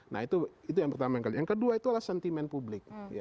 nah itu yang pertama kali yang kedua itu adalah sentimen publik